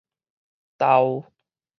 兜